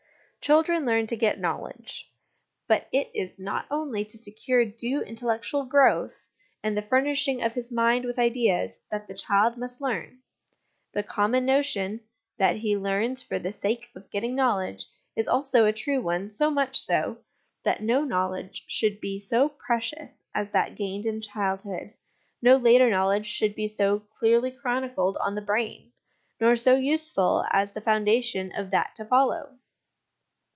Children learn to get Knowledge. But it is not only to secure due intellectual growth and the LESSONS AS INSTRUMENTS OF EDUCATION 175 furnishing of his mind with ideas, that the child must learn : the common notion, that he learns for the sake of getting knowledge, is also a true one so much so, that no knowledge should be so precious as that gained in childhood, no later knowledge should be so clearly chronicled on the brain, nor so useful as the foundation of that to follow.